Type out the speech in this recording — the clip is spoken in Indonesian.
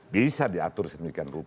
bisa diatur sedemikian rupa